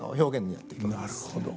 なるほど。